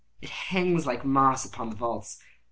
It hangs like moss upon the vaults.